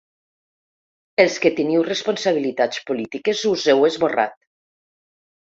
Els que teniu responsabilitats polítiques us heu esborrat.